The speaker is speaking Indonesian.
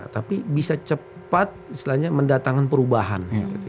tapi bisa cepat mendatangkan perubahan